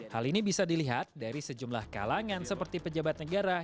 hal ini bisa dilihat dari sejumlah kalangan seperti pejabat negara